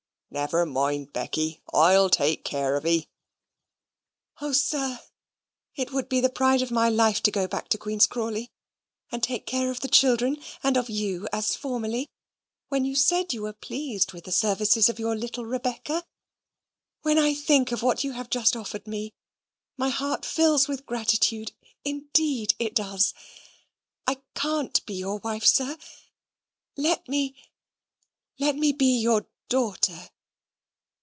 "Never mind, Becky, I'LL take care of 'ee." "Oh, sir! it would be the pride of my life to go back to Queen's Crawley, and take care of the children, and of you as formerly, when you said you were pleased with the services of your little Rebecca. When I think of what you have just offered me, my heart fills with gratitude indeed it does. I can't be your wife, sir; let me let me be your daughter."